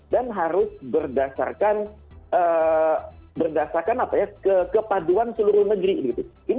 dan harus berdasarkan kepaduan seluruh negeri